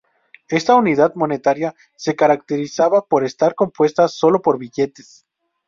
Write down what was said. Esta unidad monetaria se caracterizaba por estar compuesta solo por billetes.